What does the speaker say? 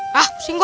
hah pusing gua